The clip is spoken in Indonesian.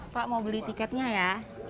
pak mau beli tiketnya ya